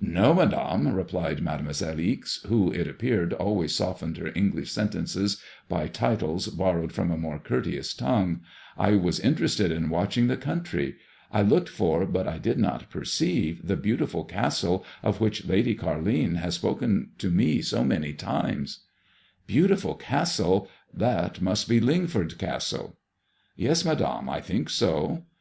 No, Madame," replied Made moiselle Ixe, who, it appeared, always softened her English sen tences by titles borrowed from a more courteous tongue ;*^ I was interested in watching the country. I looked for, but I did not perceive, the beautiful castle of which Lady Carline has spoken to me so many times." Bf autiful castle! That must be Lingford Castle." "Yes, Madame ; I think so."